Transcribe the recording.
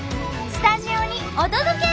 スタジオにお届け！